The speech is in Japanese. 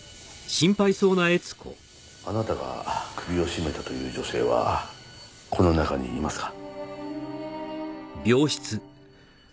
あなたが首を絞めたという女性はこの中にいますか？